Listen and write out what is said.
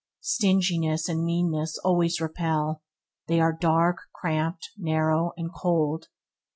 Stringiness and meanness always repel; they are dark, cramped, narrow, and cold.